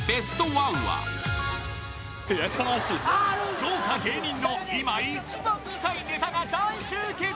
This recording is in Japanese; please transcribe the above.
豪華芸人の今一番見たいネタが大集結。